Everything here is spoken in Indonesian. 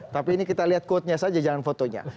tapi ini kita lihat quote nya saja jangan fotonya